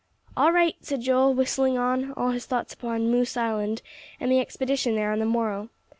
"All right," said Joel, whistling on; all his thoughts upon "Moose Island" and the expedition there on the morrow.